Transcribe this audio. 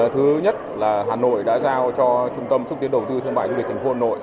thứ nhất là hà nội đã giao cho trung tâm xúc tiến đầu tư thương mại du lịch thành phố hà nội